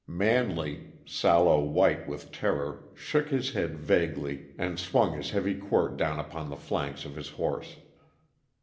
Manley, sallow white with terror, shook his head vaguely and swung his heavy quirt down upon the flanks of his horse.